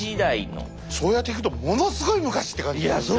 そうやって聞くとものすごい昔って感じするね。